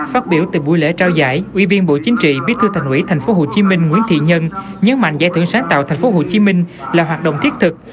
phát biểu tại buổi lễ trao giải ủy viên bộ chính trị bí thư thành ủy tp hcm nguyễn thị nhân nhấn mạnh giải thưởng sáng tạo tp hcm là hoạt động thiết thực